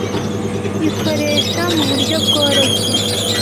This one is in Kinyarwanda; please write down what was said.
ikorehsa mu buryo bworohsye.